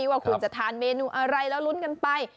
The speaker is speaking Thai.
ว่าคุณจะทานเมนูอะไรแล้วลุ้นกันไป